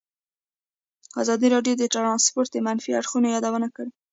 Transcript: ازادي راډیو د ترانسپورټ د منفي اړخونو یادونه کړې.